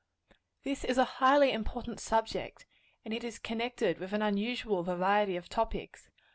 This is a highly important subject; and it is connected with an unusual variety of topics.